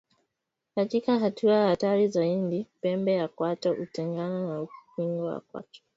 Katika hatua hatari zaidi pembe ya kwato hutengana na ukingo wa kwato